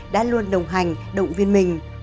đã luôn đồng hành động viên mình